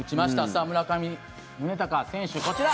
さあ、村上宗隆選手、こちら。